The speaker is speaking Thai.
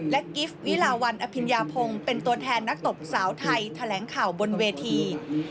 กิฟต์วิลาวันอภิญญาพงศ์เป็นตัวแทนนักตบสาวไทยแถลงข่าวบนเวที